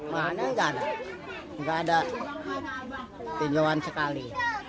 makanya gak ada tinjauan sekali